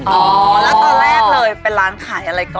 อ๋อแล้วตอนแรกเลยเป็นร้านขายอะไรก่อน